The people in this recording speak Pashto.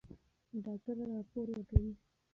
ډاکټره راپور ورکوي.